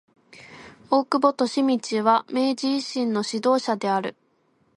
大久保利通は明治維新の指導者である。